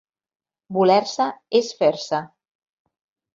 Voler-se és fer-se.